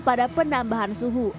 pada penambahan suhu